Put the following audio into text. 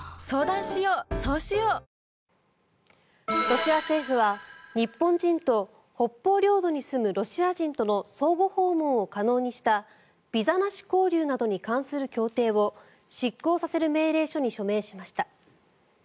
ロシア政府は、日本人と北方領土に住むロシア人との相互訪問を可能にしたビザなし交流などに関する協定を失効させる命令書に署名しました。